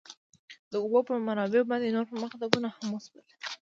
د اوبو په منابعو باندې نور پرمختګونه هم وشول.